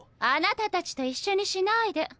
あなたたちと一緒にしないで。